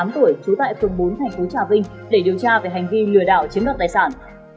tám tuổi trú tại phường bốn thành phố trà vinh để điều tra về hành vi lừa đảo chiếm đoạt tài sản